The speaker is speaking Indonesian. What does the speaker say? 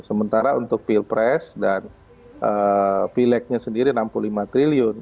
sementara untuk pilpres dan pileknya sendiri enam puluh lima triliun